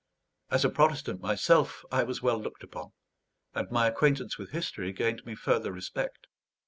As a Protestant myself, I was well looked upon, and my acquaintance with history gained me further respect.